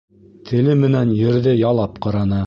-Теле менән ерҙе ялап ҡараны.